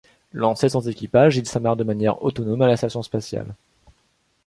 Lancé sans équipage il s'amarre de manière autonome à la station spatiale.